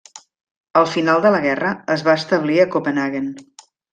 Al final de la guerra, es va establir a Copenhaguen.